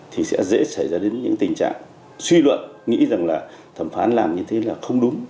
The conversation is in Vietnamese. thì sẽ dễ xảy ra đến những tình trạng suy luận nghĩ rằng là thẩm phán làm như thế là không đúng